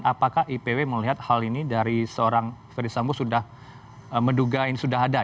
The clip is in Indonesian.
apakah ipw melihat hal ini dari seorang ferdisambo sudah menduga ini sudah ada